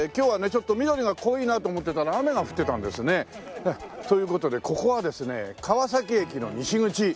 ちょっと緑が濃いなと思ってたら雨が降ってたんですね。という事でここはですね川崎駅の西口。